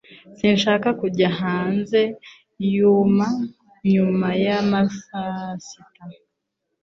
Sinshaka kujya hanze nyuma ya saa sita